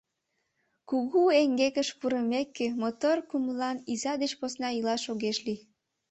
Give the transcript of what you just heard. — Кугу эҥгекыш пурымеке, мотор кумылан иза деч посна илаш огеш лий.